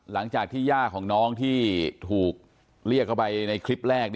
ย่าของน้องที่ถูกเรียกเข้าไปในคลิปแรก